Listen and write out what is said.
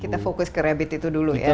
kita mungkin fokus ke rabbit itu dulu ya